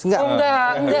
enggak enggak enggak